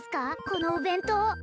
このお弁当